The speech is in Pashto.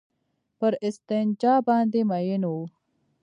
پر استنجا باندې مئين وو.